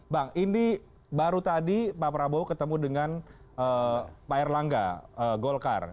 bang ini baru tadi pak prabowo ketemu dengan pak erlangga golkar